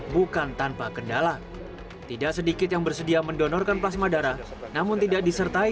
bukan tanpa kendala tidak sedikit yang bersedia mendonorkan plasma darah namun tidak disertai